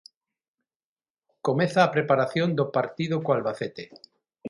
Comeza a preparación do partido co Albacete.